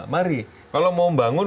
mari kalau mau membangun